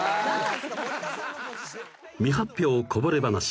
［未発表こぼれ話